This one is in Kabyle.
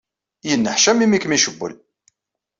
Yenneḥcam imi ay kem-icewwel.